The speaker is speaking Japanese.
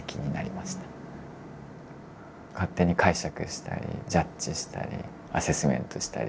勝手に解釈したりジャッジしたりアセスメントしたり。